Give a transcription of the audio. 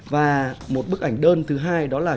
và một bức ảnh đơn thứ hai đó là